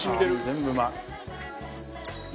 全部うまい。